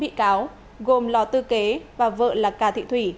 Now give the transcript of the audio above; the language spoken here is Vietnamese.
đối với bốn bị cáo gồm lò tư kế và vợ lạc cà thị thủy